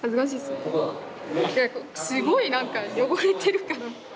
すごいなんか汚れてるから。